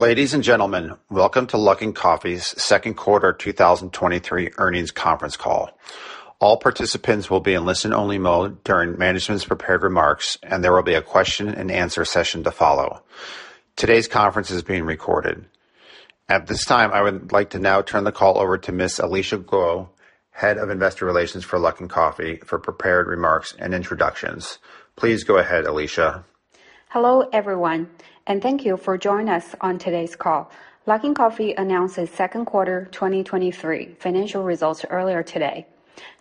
Ladies and gentlemen, welcome to Luckin Coffee's second quarter 2023 earnings conference call. All participants will be in listen-only mode during management's prepared remarks, and there will be a question and answer session to follow. Today's conference is being recorded. At this time, I would like to now turn the call over to Ms. Alicia Guo, Head of Investor Relations for Luckin Coffee, for prepared remarks and introductions. Please go ahead, Alicia. Hello, everyone, and thank you for joining us on today's call. Luckin Coffee announced its second quarter 2023 financial results earlier today.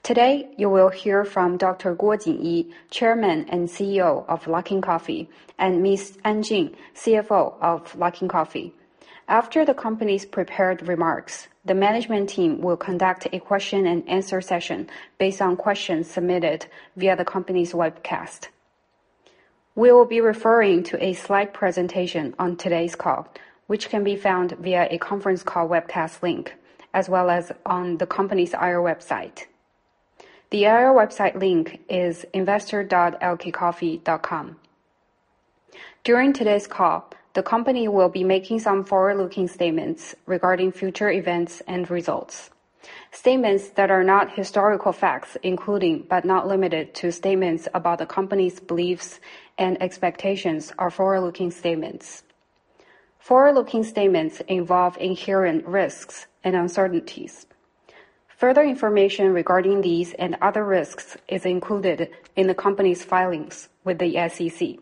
Today, you will hear from Dr. Jinyi Guo, Chairman and CEO of Luckin Coffee, and Miss An Jing, CFO of Luckin Coffee. After the company's prepared remarks, the management team will conduct a question and answer session based on questions submitted via the company's webcast. We will be referring to a slide presentation on today's call, which can be found via a conference call webcast link, as well as on the company's IR website. The IR website link is investor.lkcoffee.com. During today's call, the company will be making some forward-looking statements regarding future events and results. Statements that are not historical facts, including, but not limited to, statements about the company's beliefs and expectations, are forward-looking statements. Forward-looking statements involve inherent risks and uncertainties. Further information regarding these and other risks is included in the company's filings with the SEC.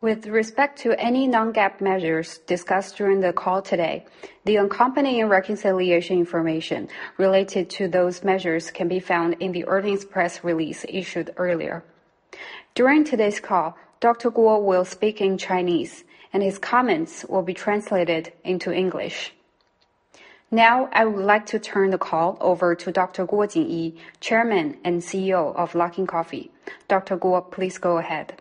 With respect to any non-GAAP measures discussed during the call today, the accompanying reconciliation information related to those measures can be found in the earnings press release issued earlier. During today's call, Dr. Guo will speak in Chinese, and his comments will be translated into English. Now, I would like to turn the call over to Dr. Jinyi Guo, Chairman and CEO of Luckin Coffee. Dr. Guo, please go ahead.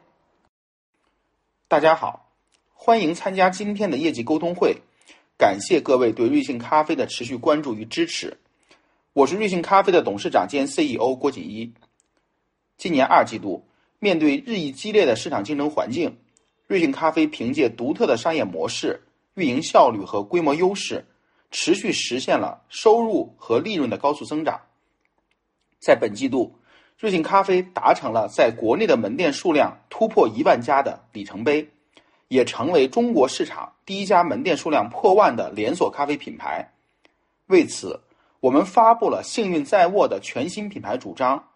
大家 好， 欢迎参加今天的业绩沟通 会， 感谢各位对瑞幸咖啡的持续关注与支持。我是瑞幸咖啡的董事长兼 CEO 郭谨一。今年二季度，面对日益激烈的市场竞争环 境， 瑞幸咖啡凭借独特的商业模式、运营效率和规模优 势， 持续实现了收入和利润的高速增长。在本季 度， 瑞幸咖啡达成了在国内的门店数量突破一万家的里程 碑， 也成为中国市场第一家门店数量破万的连锁咖啡品牌。为 此， 我们发布了幸运在握的全新品牌主张，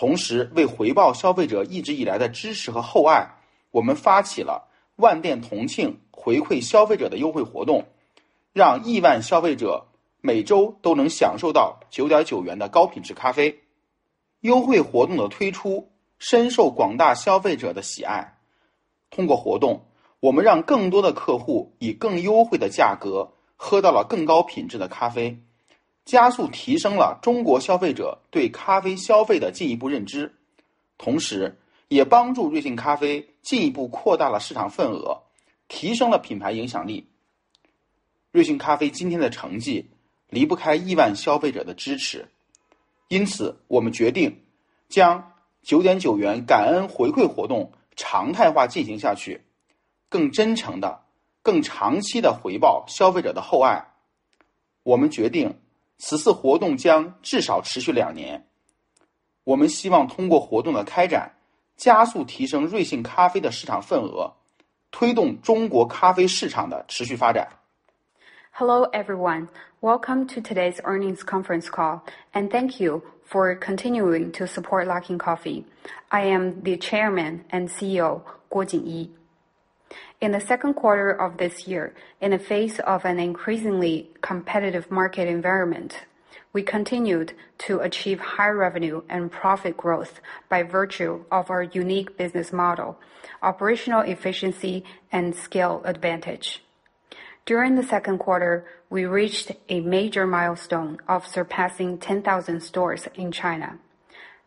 同时为回报消费者一直以来的支持和厚 爱， 我们发起了万店同庆回馈消费者的优惠活 动， 让亿万消费者每周都能享受到九点九元的高品质咖啡。优惠活动的推 出， 深受广大消费者的喜爱。通过活 动， 我们让更多的客户以更优惠的价格喝到了更高品质的咖啡，加速提升了中国消费者对咖啡消费的进一步认 知， 同时也帮助瑞幸咖啡进一步扩大了市场份 额， 提升了品牌影响力。瑞幸咖啡今天的成绩离不开亿万消费者的支持。因 此， 我们决定将九点九元感恩回馈活动常态化进行下 去， 更真诚地、更长期地回报消费者的厚爱。我们决定，此次活动将至少持续两年。我们希望通过活动的开 展， 加速提升瑞幸咖啡的市场份 额， 推动中国咖啡市场的持续发展。Hello, everyone. Welcome to today's earnings conference call. Thank you for continuing to support Luckin Coffee. I am the Chairman and CEO, Jinyi Guo. In the second quarter of this year, in the face of an increasingly competitive market environment, we continued to achieve high revenue and profit growth by virtue of our unique business model, operational efficiency and scale advantage. During the second quarter, we reached a major milestone of surpassing 10,000 stores in China,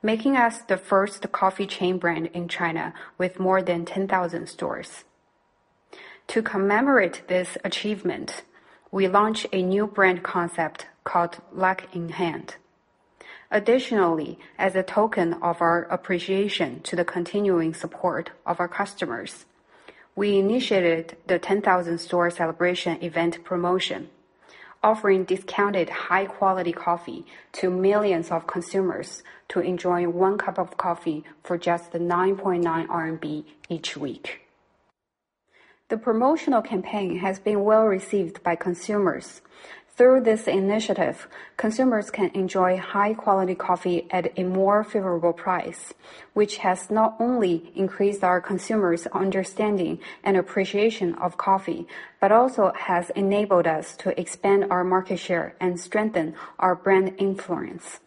making us the first coffee chain brand in China with more than 10,000 stores. To commemorate this achievement, we launched a new brand concept called Luck in Hand. Additionally, as a token of our appreciation to the continuing support of our customers, we initiated the 10,000 store celebration event promotion, offering discounted, high-quality coffee to millions of consumers to enjoy one cup of coffee for just 9.9 each week. The promotional campaign has been well-received by consumers. Through this initiative, consumers can enjoy high-quality coffee at a more favorable price, which has not only increased our consumers' understanding and appreciation of coffee, but also has enabled us to expand our market share and strengthen our brand influence.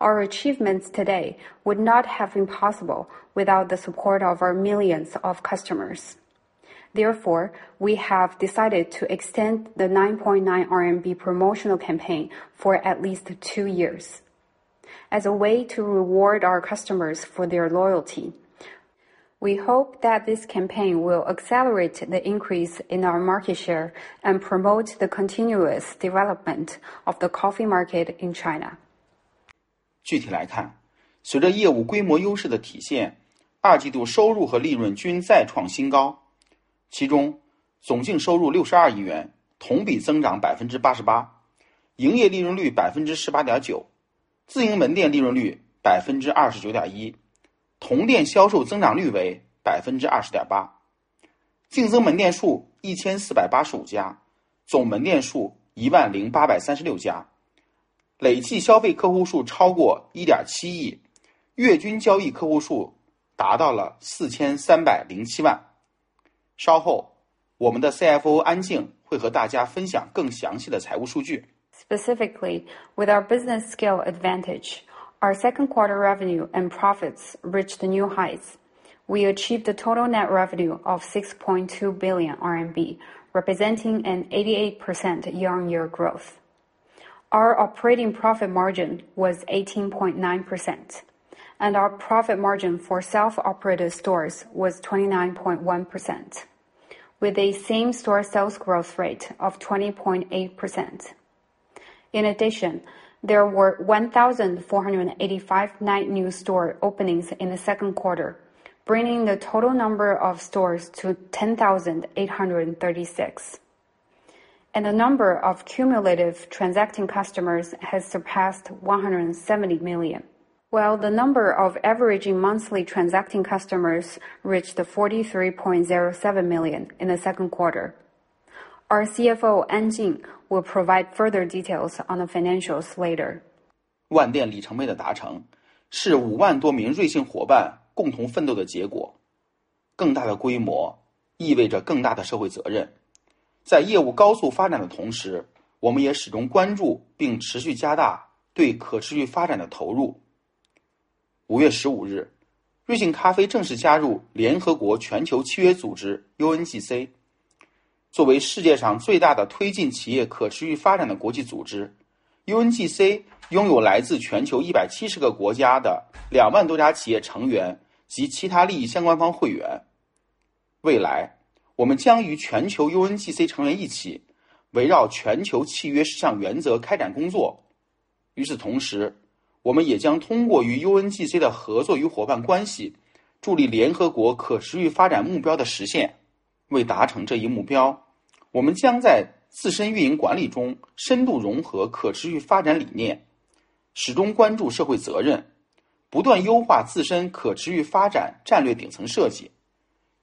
Our achievements today would not have been possible without the support of our millions of customers. Therefore, we have decided to extend the 9.9 RMB promotional campaign for at least two years as a way to reward our customers for their loyalty. We hope that this campaign will accelerate the increase in our market share and promote the continuous development of the coffee market in China. 具体来 看， 随着业务规模优势的体 现， 二季度收入和利润均再创新高，其中总净收入六十二亿 元， 同比增长百分之八十 八， 营业利润率百分之十八点 九， 自营门店利润率百分之二十九点 一， 同店销售增长率为百分之二十点八。净增门店数一千四百八十五 家， 总门店数一万零八百三十六 家， 累计消费客户数超过一点七 亿， 月均交易客户数达到了四千三百零七万。稍 后， 我们的 CFO 安静会和大家分享更详细的财务数据。Specifically, with our business scale advantage, our second quarter revenue and profits reached new heights. We achieved a total net revenue of 6.2 billion RMB, representing an 88% year-on-year growth. Our operating profit margin was 18.9%, and our profit margin for self-operated stores was 29.1%, with a same-store sales growth rate of 20.8%. In addition, there were 1,485 net new store openings in the second quarter, bringing the total number of stores to 10,836, and the number of cumulative transacting customers has surpassed 170 million, while the number of averaging monthly transacting customers reached 43.07 million in the second quarter. Our CFO Anjing will provide further details on the financials later. 万店里程碑的达 成， 是五万多名瑞幸伙伴共同奋斗的结果。更大的规模意味着更大的社会责任。在业务高速发展的同 时， 我们也始终关注并持续加大对可持续发展的投入。五月十五 日， 瑞幸咖啡正式加入联合国全球契约组织 UNGC。作为世界上最大的推进企业可持续发展的国际组织 ，UNGC 拥有来自全球一百七十个国家的两万多家企业成员及其他利益相关方会员。未 来， 我们将与全球 UNGC 成员一 起， 围绕全球契约十项原则开展工作。与此同时，我们也将通过与 UNGC 的合作与伙伴关 系， 助力联合国可持续发展目标的实现。为达成这一目 标， 我们将在自身运营管理中深度融合可持续发展理 念， 始终关注社会责 任， 不断优化自身可持续发展战略顶层设 计，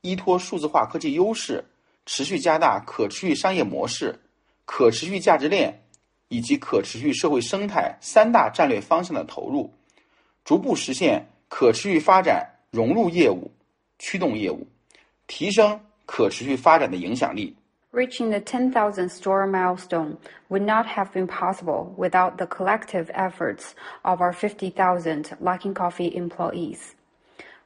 依托数字化科技优 势， 持续加大可持续商业模式、可持续价值链以及可持续社会生态三大战略方向的投 入， 逐步实现可持续发 展， 融入业 务， 驱动业 务， 提升可持续发展的影响力。Reaching the 10,000 store milestone would not have been possible without the collective efforts of our 50,000 Luckin Coffee employees.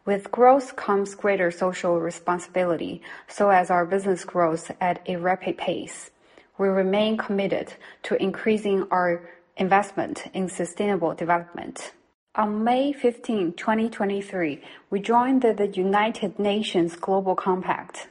With growth comes greater social responsibility. As our business grows at a rapid pace, we remain committed to increasing our investment in sustainable development. On May 15th, 2023, we joined the United Nations Global Compact.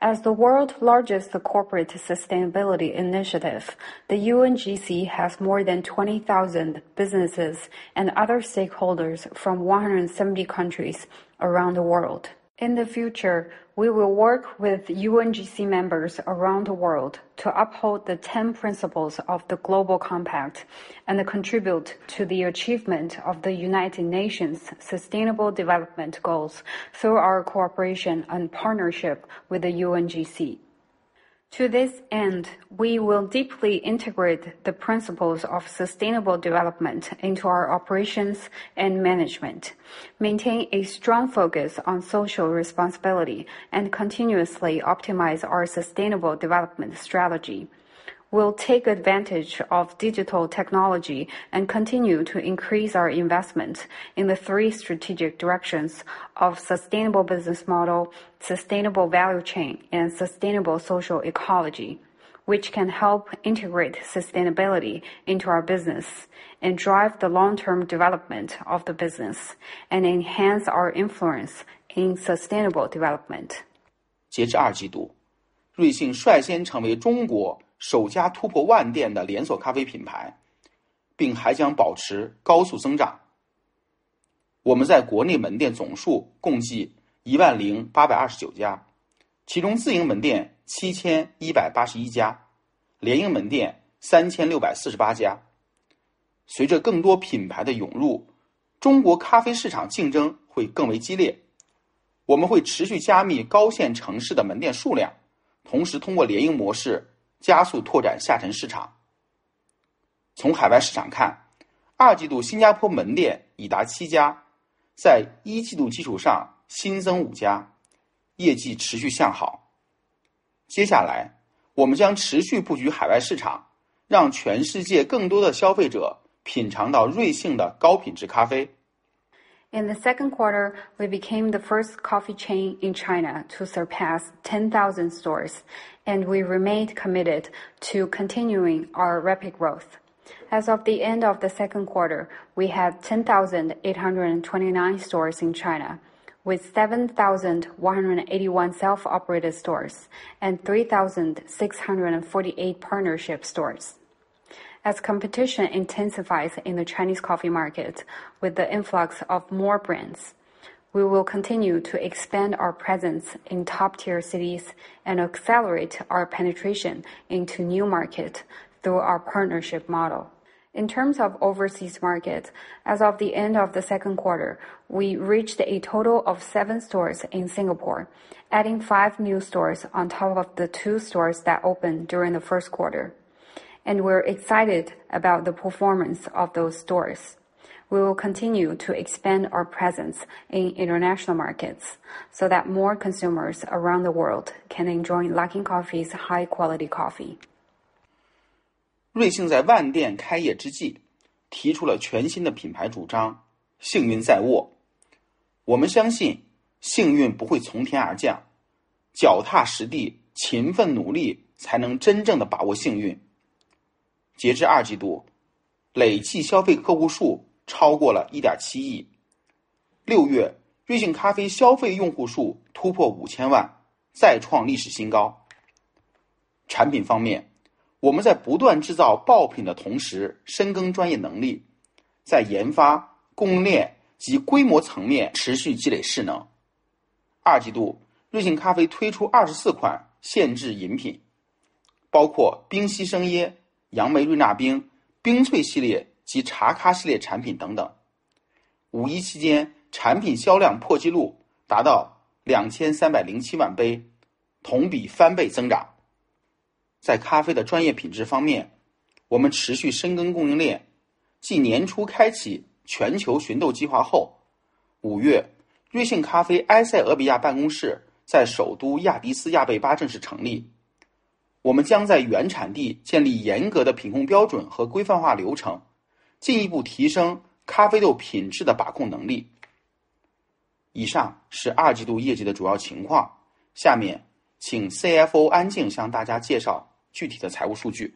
As the world's largest corporate sustainability initiative, the UNGC has more than 20,000 businesses and other stakeholders from 170 countries around the world. In the future, we will work with UNGC members around the world to uphold the 10 principles of the Global Compact and contribute to the achievement of the United Nations Sustainable Development Goals through our cooperation and partnership with the UNGC. To this end, we will deeply integrate the principles of sustainable development into our operations and management, maintain a strong focus on social responsibility, and continuously optimize our sustainable development strategy. We'll take advantage of digital technology and continue to increase our investment in the three strategic directions of sustainable business model, sustainable value chain, and sustainable social ecology, which can help integrate sustainability into our business and drive the long-term development of the business and enhance our influence in sustainable development. 截至二季 度， 瑞幸率先成为中国首家突破万店的连锁咖啡品 牌， 并还将保持高速增长。我们在国内门店总数共计一万零八百二十九 家， 其中自营门店七千一百八十一 家， 联营门店三千六百四十八家。随着更多品牌的涌 入， 中国咖啡市场竞争会更为激 烈， 我们会持续加密高线城市的门店数 量， 同时通过联营模式加速拓展下沉市场。从海外市场 看， 二季度新加坡门店已达七 家， 在一季度基础上新增五 家， 业绩持续向好。接下 来， 我们将持续布局海外市 场， 让全世界更多的消费者品尝到瑞幸的高品质咖啡。In the second quarter, we became the first coffee chain in China to surpass 10,000 stores, and we remained committed to continuing our rapid growth. As of the end of the second quarter, we have 10,829 stores in China, with 7,181 self-operated stores and 3,648 partnership stores. As competition intensifies in the Chinese coffee market, with the influx of more brands, we will continue to extend our presence in top-tier cities and accelerate our penetration into new market through our partnership model. In terms of overseas markets, as of the end of the second quarter, we reached a total of seven stores in Singapore, adding five new stores on top of the two stores that opened during the first quarter. We're excited about the performance of those stores. We will continue to expand our presence in international markets, so that more consumers around the world can enjoy Luckin Coffee's high-quality coffee.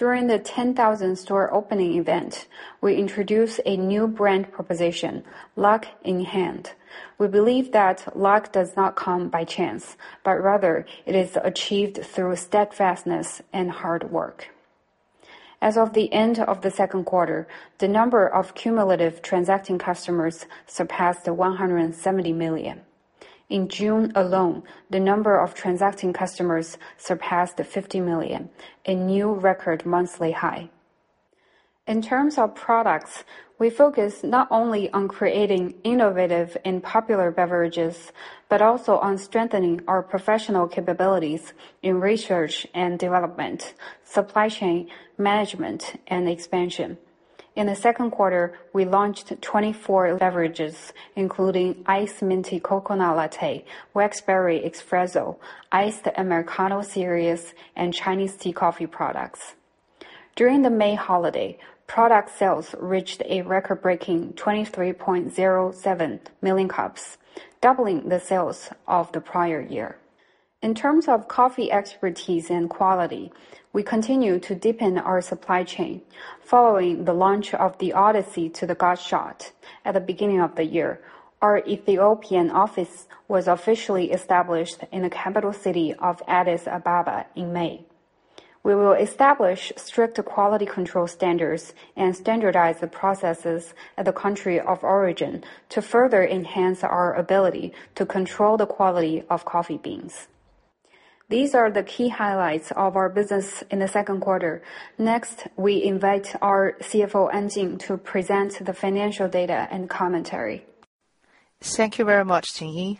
During the 10,000 store opening event, we introduced a new brand proposition, Luck in Hand. We believe that luck does not come by chance, but rather it is achieved through steadfastness and hard work. As of the end of the second quarter, the number of cumulative transacting customers surpassed 170 million. In June alone, the number of transacting customers surpassed 50 million, a new record monthly high. In terms of products, we focus not only on creating innovative and popular beverages, but also on strengthening our professional capabilities in research and development, supply chain management, and expansion. In the second quarter, we launched 24 beverages, including Iced Minty Coconut Latte, Waxberry Exfreezo, Iced Americano series, and Chinese Tea Coffee products. During the May holiday, product sales reached a record-breaking 23.07 million cups, doubling the sales of the prior year. In terms of coffee expertise and quality, we continue to deepen our supply chain. Following the launch of the Odyssey to the God Shot at the beginning of the year, our Ethiopian office was officially established in the capital city of Addis Ababa in May. We will establish strict quality control standards and standardize the processes at the country of origin to further enhance our ability to control the quality of coffee beans. These are the key highlights of our business in the second quarter. We invite our CFO, Anjing, to present the financial data and commentary. Thank you very much, Operator.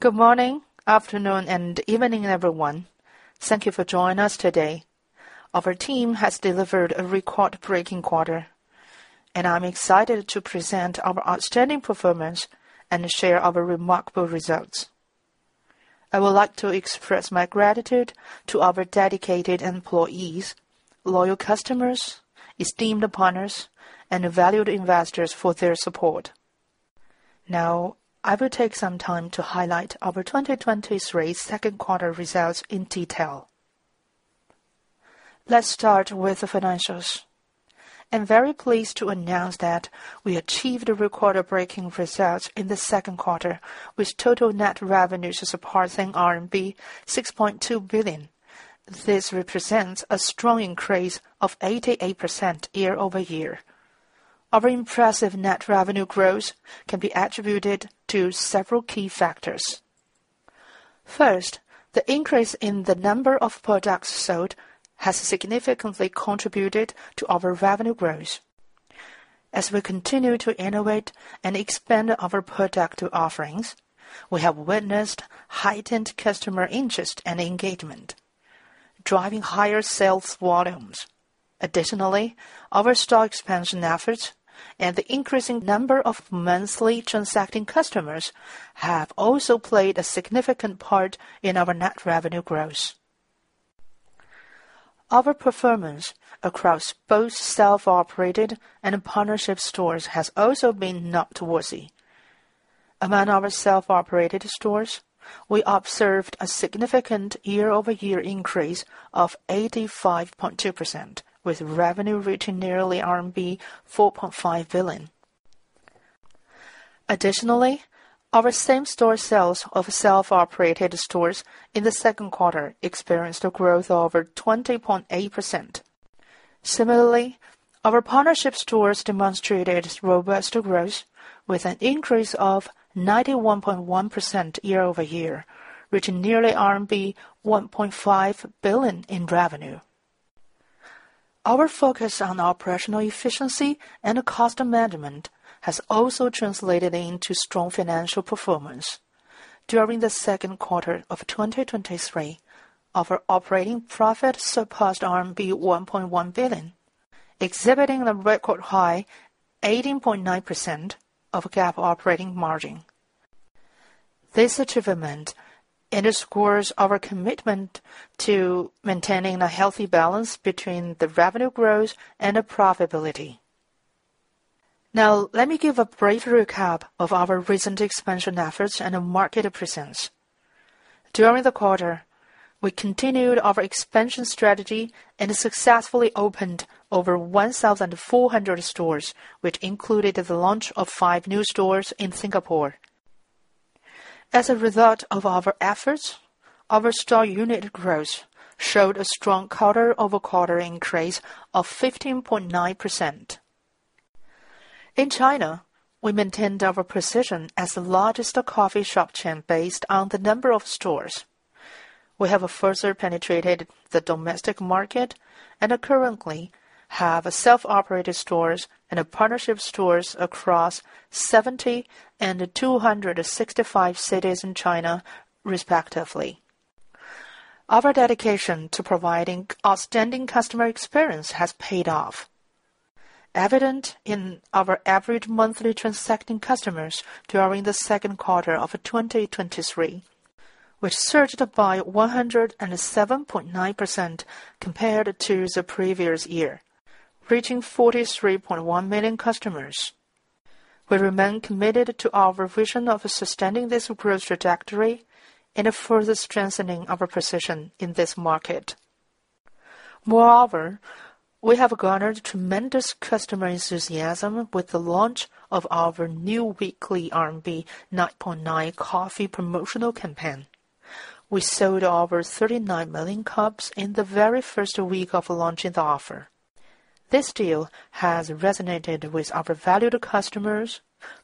Good morning, afternoon, and evening, everyone. Thank you for joining us today. Our team has delivered a record-breaking quarter. I'm excited to present our outstanding performance and share our remarkable results. I would like to express my gratitude to our dedicated employees, loyal customers, esteemed partners, and valued investors for their support. Now, I will take some time to highlight our 2023 second quarter results in detail. Let's start with the financials. I'm very pleased to announce that we achieved record-breaking results in the second quarter, with total net revenues surpassing RMB 6.2 billion. This represents a strong increase of 88% year-over-year. Our impressive net revenue growth can be attributed to several key factors. First, the increase in the number of products sold has significantly contributed to our revenue growth. As we continue to innovate and expand our product offerings, we have witnessed heightened customer interest and engagement, driving higher sales volumes. Additionally, our store expansion efforts and the increasing number of monthly transacting customers have also played a significant part in our net revenue growth. Our performance across both self-operated and partnership stores has also been noteworthy. Among our self-operated stores, we observed a significant year-over-year increase of 85.2%, with revenue reaching nearly RMB 4.5 billion. Additionally, our same-store sales of self-operated stores in the second quarter experienced a growth of over 20.8%. Similarly, our partnership stores demonstrated robust growth with an increase of 91.1% year-over-year, reaching nearly RMB 1.5 billion in revenue. Our focus on operational efficiency and cost management has also translated into strong financial performance. During the second quarter of 2023, our operating profit surpassed RMB 1.1 billion, exhibiting a record high 18.9% of GAAP operating margin. This achievement underscores our commitment to maintaining a healthy balance between the revenue growth and the profitability. Now, let me give a brief recap of our recent expansion efforts and our market presence. During the quarter, we continued our expansion strategy and successfully opened over 1,400 stores, which included the launch of five new stores in Singapore. As a result of our efforts, our store unit growth showed a strong quarter-over-quarter increase of 15.9%. In China, we maintained our position as the largest coffee shop chain based on the number of stores. We have further penetrated the domestic market and currently have self-operated stores and partnership stores across 70 and 265 cities in China, respectively. Our dedication to providing outstanding customer experience has paid off, evident in our average monthly transacting customers during the second quarter of 2023, which surged by 107.9% compared to the previous year, reaching 43.1 million customers. We remain committed to our vision of sustaining this growth trajectory and further strengthening our position in this market. Moreover, we have garnered tremendous customer enthusiasm with the launch of our new weekly RMB 9.9 coffee promotional campaign. We sold over 39 million cups in the very first week of launching the offer. This deal has resonated with our valued customers,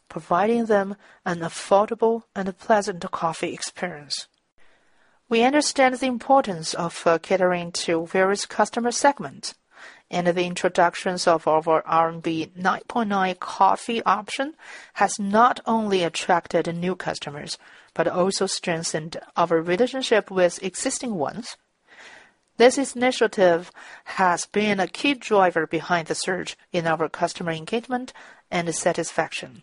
providing them an affordable and pleasant coffee experience. We understand the importance of catering to various customer segments, and the introductions of our RMB 9.9 coffee option has not only attracted new customers, but also strengthened our relationship with existing ones. This initiative has been a key driver behind the surge in our customer engagement and satisfaction.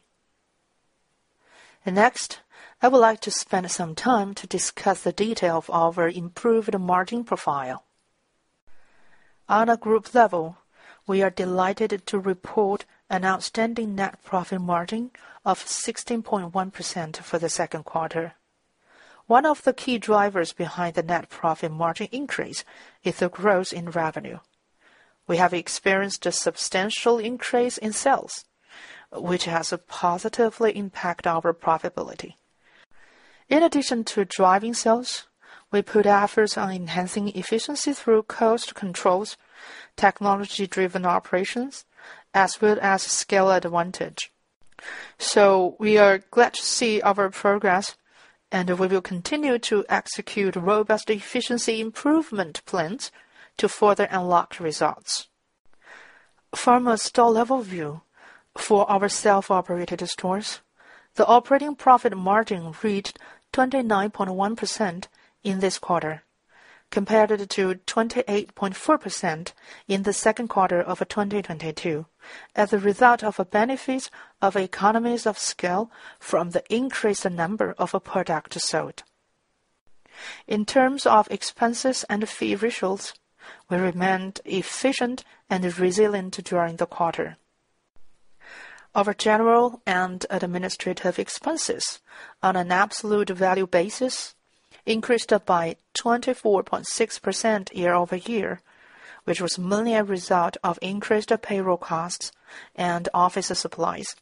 Next, I would like to spend some time to discuss the detail of our improved margin profile. On a group level, we are delighted to report an outstanding net profit margin of 16.1% for the second quarter. One of the key drivers behind the net profit margin increase is the growth in revenue. We have experienced a substantial increase in sales, which has positively impacted our profitability. In addition to driving sales, we put efforts on enhancing efficiency through cost controls, technology-driven operations, as well as scale advantage. We are glad to see our progress, and we will continue to execute robust efficiency improvement plans to further unlock results. From a store level view, for our self-operated stores, the operating profit margin reached 29.1% in this quarter, compared to 28.4% in the second quarter of 2022, as a result of a benefit of economies of scale from the increased number of product sold. In terms of expenses and fee ratios, we remained efficient and resilient during the quarter. Our general and administrative expenses on an absolute value basis increased by 24.6% year-over-year, which was mainly a result of increased payroll costs and office supplies,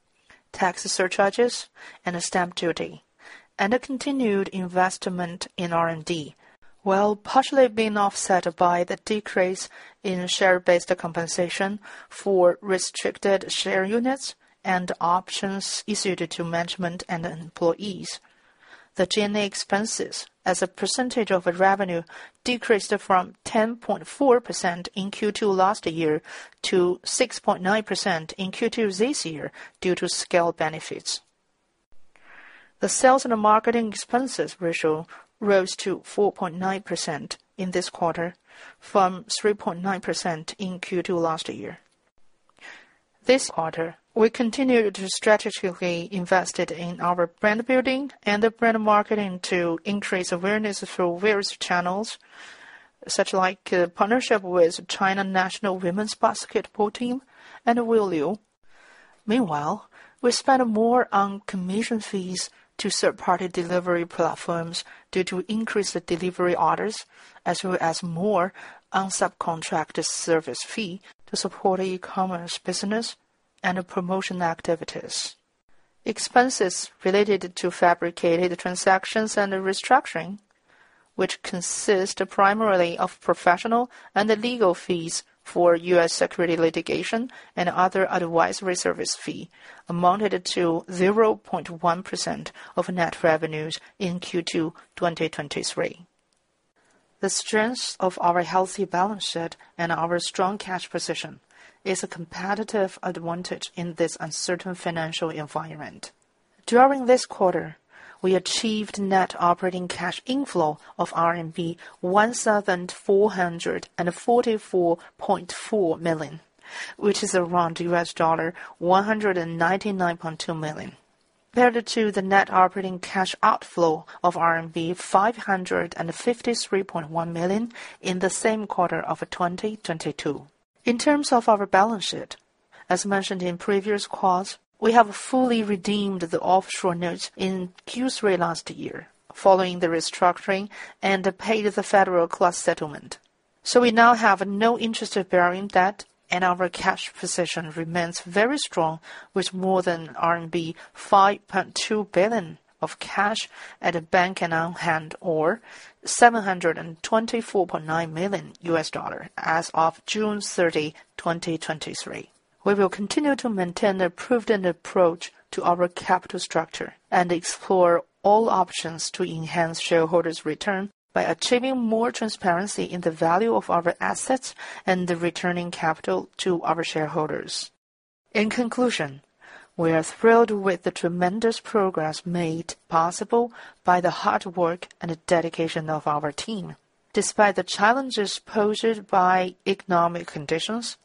tax surcharges and stamp duty, and a continued investment in R&D, while partially being offset by the decrease in share-based compensation for restricted stock unit and options issued to management and employees. The G&A expenses as a percentage of revenue decreased from 10.4% in Q2 last year to 6.9% in Q2 this year, due to scale benefits. The sales and marketing expenses ratio rose to 4.9% in this quarter, from 3.9% in Q2 last year. This quarter, we continued to strategically invested in our brand building and the brand marketing to increase awareness through various channels, such like partnership with China women's national basketball team and Wu Liuqi. Meanwhile, we spent more on commission fees to third-party delivery platforms due to increased delivery orders, as well as more on subcontractor service fee to support e-commerce business and promotion activities. Expenses related to fabricated transactions and restructuring, which consists primarily of professional and legal fees for U.S. securities litigation and other advisory service fee, amounted to 0.1% of net revenues in Q2 2023. The strength of our healthy balance sheet and our strong cash position is a competitive advantage in this uncertain financial environment. During this quarter, we achieved net operating cash inflow of RMB 1,444.4 million, which is around $199.2 million, compared to the net operating cash outflow of RMB 553.1 million in the same quarter of 2022. In terms of our balance sheet, as mentioned in previous calls, we have fully redeemed the offshore notes in Q3 last year, following the restructuring and paid the federal class settlement. We now have no interest bearing debt, and our cash position remains very strong, with more than RMB 5.2 billion of cash at bank and on hand, or $724.9 million as of June 30, 2023. We will continue to maintain a prudent approach to our capital structure and explore all options to enhance shareholders return by achieving more transparency in the value of our assets and returning capital to our shareholders. In conclusion, we are thrilled with the tremendous progress made possible by the hard work and dedication of our team. Despite the challenges posed by economic conditions,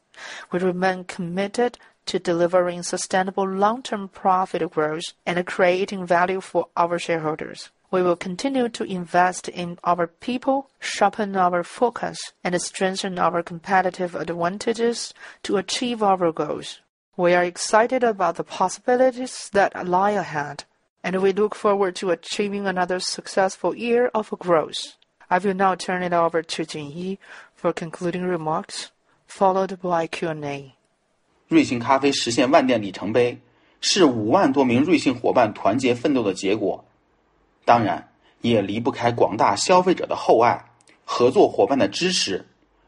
we remain committed to delivering sustainable long-term profit growth and creating value for our shareholders. We will continue to invest in our people, sharpen our focus, and strengthen our competitive advantages to achieve our goals. We are excited about the possibilities that lie ahead, and we look forward to achieving another successful year of growth. I will now turn it over to Jinyi for concluding remarks, followed by Q&A. 瑞幸咖啡实现万店里程 碑， 是五万多名瑞幸伙伴团结奋斗的结 果， 当然也离不开广大消费者的厚 爱， 合作伙伴的支持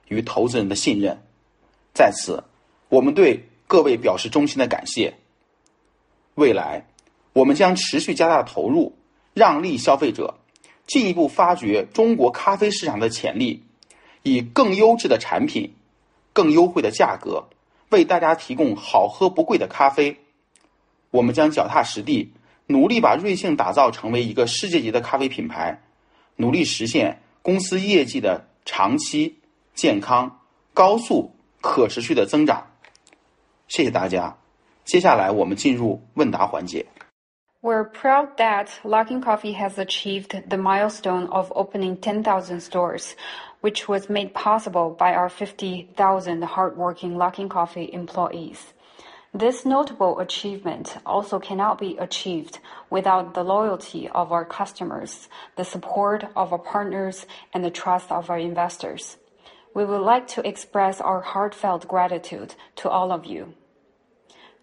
与投资人的信任。在 此， 我们对各位表示衷心的感谢。未 来， 我们将持续加大投 入， 让利消费 者， 进一步发掘中国咖啡市场的潜 力， 以更优质的产品、更优惠的价 格， 为大家提供好喝不贵的咖啡。我们将脚踏实 地， 努力把瑞幸打造成为一个世界级的咖啡品 牌， 努力实现公司业绩的长期、健康、高速、可持续的增长。谢谢大 家！ 接下来我们进入问答环节。We're proud that Luckin Coffee has achieved the milestone of opening 10,000 stores, which was made possible by our 50,000 hardworking Luckin Coffee employees. This notable achievement also cannot be achieved without the loyalty of our customers, the support of our partners, and the trust of our investors. We would like to express our heartfelt gratitude to all of you.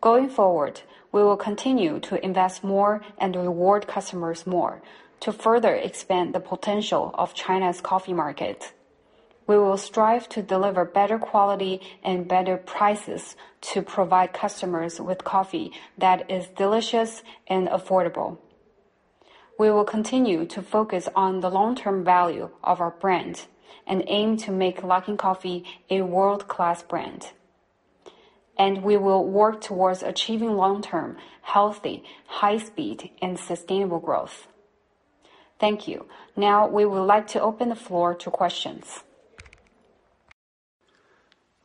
Going forward, we will continue to invest more and reward customers more to further expand the potential of China's coffee market. We will strive to deliver better quality and better prices to provide customers with coffee that is delicious and affordable. We will continue to focus on the long-term value of our brand, and aim to make Luckin Coffee a world-class brand, and we will work towards achieving long-term, healthy, high-speed and sustainable growth. Thank you. Now we would like to open the floor to questions.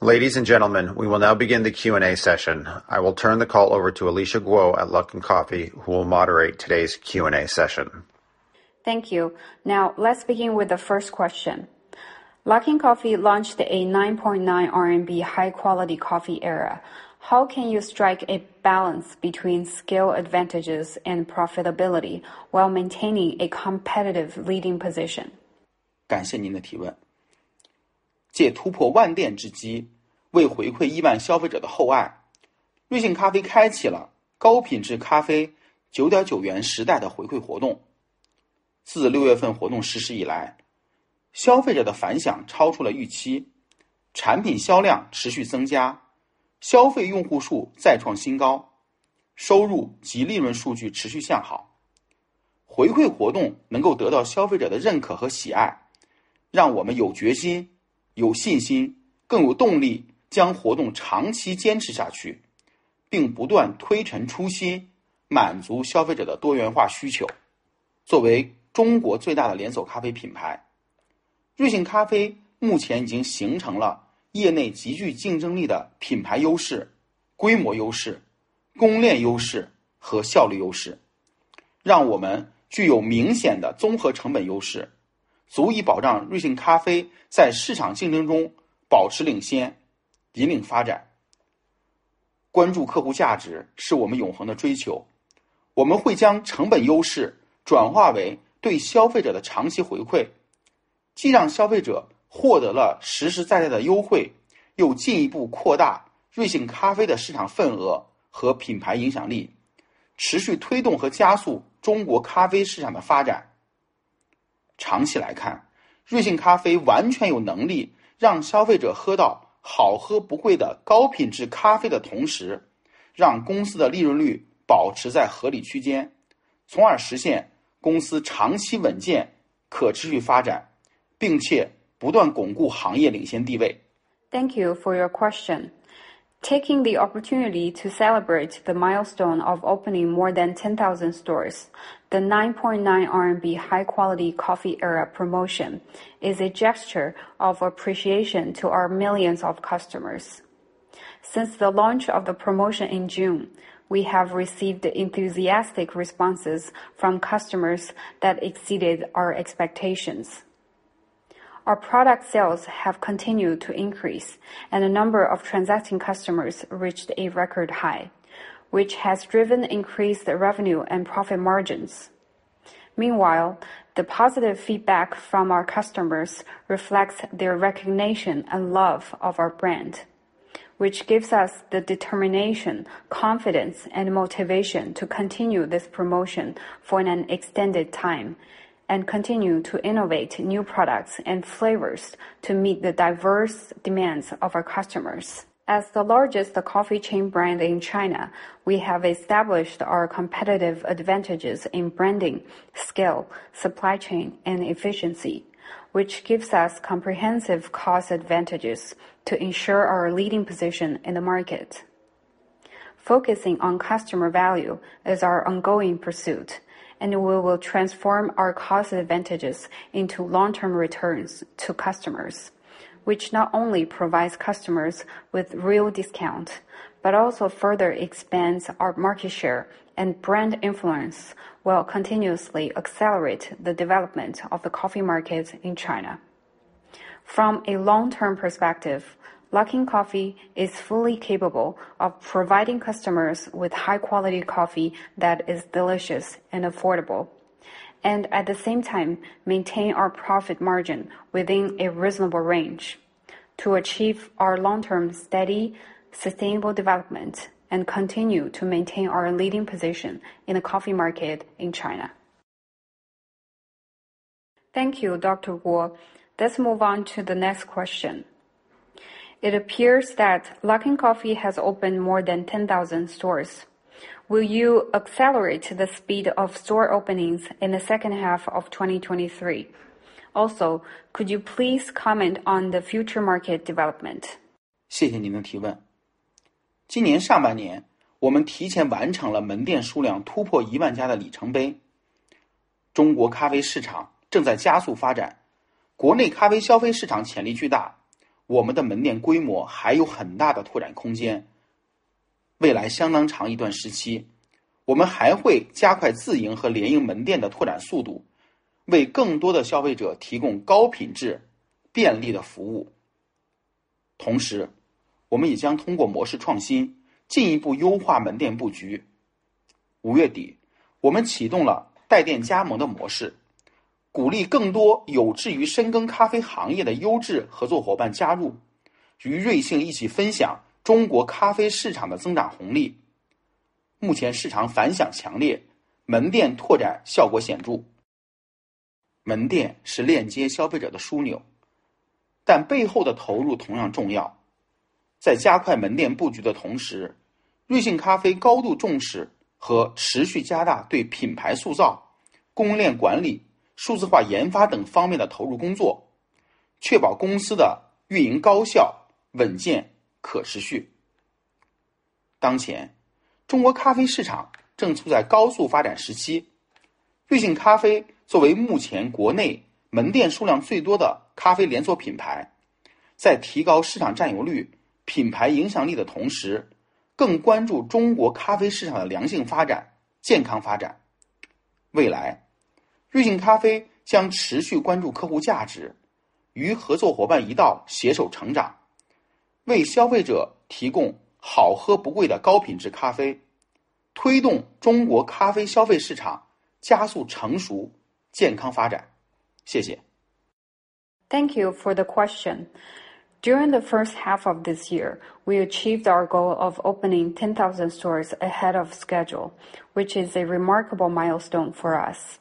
Ladies and gentlemen, we will now begin the Q&A session. I will turn the call over to Alicia Guo at Luckin Coffee, who will moderate today's Q&A session. Thank you. Now let's begin with the first question. Luckin Coffee launched a 9.9 RMB high quality coffee era. How can you strike a balance between scale advantages and profitability while maintaining a competitive leading position? 感谢您的提问。借突破万店之 机， 为回馈亿万消费者的厚 爱， 瑞幸咖啡开启了高品质咖啡九点九元时代的回馈活动。自六月份活动实施以来，消费者的反响超出了预 期， 产品销量持续增 加， 消费用户数再创新 高， 收入及利润数据持续向好。回馈活动能够得到消费者的认可和喜 爱， 让我们有决心、有信 心， 更有动力将活动长期坚持下 去， 并不断推陈出 新， 满足消费者的多元化需求。作为中国最大的连锁咖啡品牌，瑞幸咖啡目前已经形成了业内极具竞争力的品牌优势、规模优势、供应链优势和效率优 势， 让我们具有明显的综合成本优 势， 足以保障瑞幸咖啡在市场竞争中保持领 先， 引领发展。关注客户价值是我们永恒的追求。我们会将成本优势转化为对消费者的长期回馈，既让消费者获得了实实在在的优 惠， 又进一步扩大瑞幸咖啡的市场份额和品牌影响 力。... 持续推动和加速中国咖啡市场的发展。长期来 看， 瑞幸咖啡完全有能力让消费者喝到好喝不贵的高品质咖啡的同 时， 让公司的利润率保持在合理区 间， 从而实现公司长期稳健可持续发展，并且不断巩固行业领先地位。Thank you for your question. Taking the opportunity to celebrate the milestone of opening more than 10,000 stores, the 9.9 RMB high quality coffee era promotion is a gesture of appreciation to our millions of customers. Since the launch of the promotion in June, we have received enthusiastic responses from customers that exceeded our expectations. Our product sales have continued to increase, and the number of transacting customers reached a record high, which has driven increased revenue and profit margins. Meanwhile, the positive feedback from our customers reflects their recognition and love of our brand, which gives us the determination, confidence, and motivation to continue this promotion for an extended time, and continue to innovate new products and flavors to meet the diverse demands of our customers. As the largest coffee chain brand in China, we have established our competitive advantages in branding, scale, supply chain, and efficiency, which gives us comprehensive cost advantages to ensure our leading position in the market. Focusing on customer value is our ongoing pursuit, and we will transform our cost advantages into long-term returns to customers, which not only provides customers with real discount, but also further expands our market share and brand influence, while continuously accelerate the development of the coffee market in China. From a long-term perspective, Luckin Coffee is fully capable of providing customers with high-quality coffee that is delicious and affordable, and at the same time, maintain our profit margin within a reasonable range to achieve our long-term, steady, sustainable development and continue to maintain our leading position in the coffee market in China. Thank you, Dr. Guo. Let's move on to the next question. It appears that Luckin Coffee has opened more than 10,000 stores. Will you accelerate the speed of store openings in the second half of 2023? Could you please comment on the future market development? 谢谢您的提问。今年上半 年， 我们提前完成了门店数量突破一万家的里程碑。中国咖啡市场正在加速发 展， 国内咖啡消费市场潜力巨大，我们的门店规模还有很大的拓展空间。未来相当长一段时 期， 我们还会加快自营和联营门店的拓展速 度， 为更多的消费者提供高品质、便利的服务。同 时， 我们也将通过模式创 新， 进一步优化门店布局。五月 底， 我们启动了带店加盟的模式，鼓励更多有志于深耕咖啡行业的优质合作伙伴加 入， 与瑞幸一起分享中国咖啡市场的增长红利。目前市场反响强 烈， 门店拓展效果显著。门店是链接消费者的枢 纽， 但背后的投入同样重要。在加快门店布局的同 时， 瑞幸咖啡高度重视和持续加大对品牌塑造、供应链管理、数字化研发等方面的投入工 作， 确保公司的运营高效、稳 健， 可持续。当 前， 中国咖啡市场正处在高速发展时期。瑞幸咖啡作为目前国内门店数量最多的咖啡连锁品 牌， 在提高市场占有率、品牌影响力的同 时， 更关注中国咖啡市场的良性发 展， 健康发展。未来，瑞幸咖啡将持续关注客户价 值， 与合作伙伴一道携手成 长， 为消费者提供好喝不贵的高品质咖 啡， 推动中国咖啡消费市场加速成 熟， 健康发展。谢谢。Thank you for the question. During the first half of this year, we achieved our goal of opening 10,000 stores ahead of schedule, which is a remarkable milestone for us.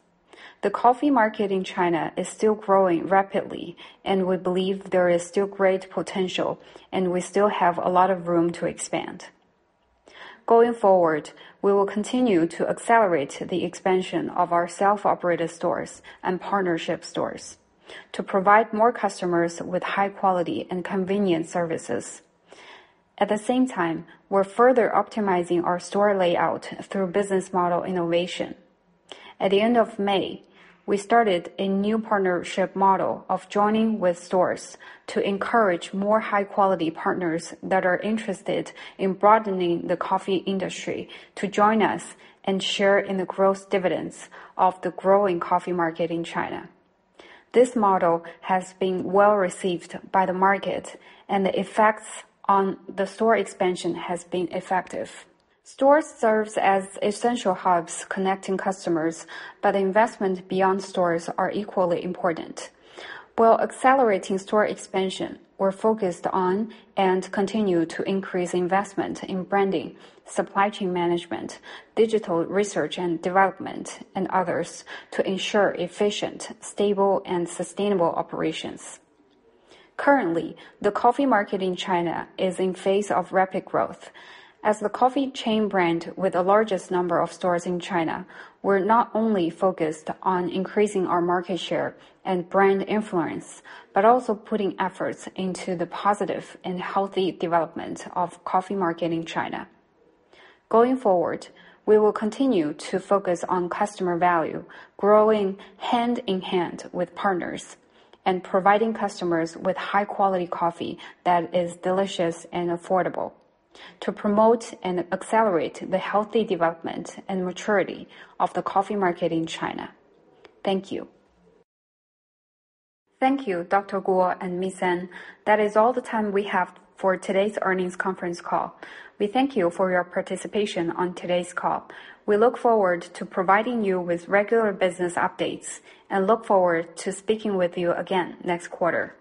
The coffee market in China is still growing rapidly, and we believe there is still great potential, and we still have a lot of room to expand. Going forward, we will continue to accelerate the expansion of our self-operated stores and partnership stores to provide more customers with high quality and convenient services. At the same time, we're further optimizing our store layout through business model innovation. At the end of May, we started a new partnership model of joining with stores to encourage more high-quality partners that are interested in broadening the coffee industry to join us and share in the growth dividends of the growing coffee market in China. This model has been well received by the market. The effects on the store expansion has been effective. Stores serves as essential hubs connecting customers. Investment beyond stores are equally important. While accelerating store expansion, we're focused on and continue to increase investment in branding, supply chain management, digital research and development, and others to ensure efficient, stable, and sustainable operations. Currently, the coffee market in China is in phase of rapid growth. As the coffee chain brand with the largest number of stores in China, we're not only focused on increasing our market share and brand influence, but also putting efforts into the positive and healthy development of coffee market in China. Going forward, we will continue to focus on customer value, growing hand in hand with partners, and providing customers with high-quality coffee that is delicious and affordable, to promote and accelerate the healthy development and maturity of the coffee market in China. Thank you. Thank you, Dr. Guo and An Jing. That is all the time we have for today's earnings conference call. We thank you for your participation on today's call. We look forward to providing you with regular business updates and look forward to speaking with you again next quarter.